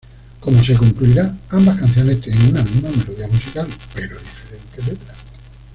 Como se concluirá, ambas canciones tienen una misma melodía musical, pero diferente letra.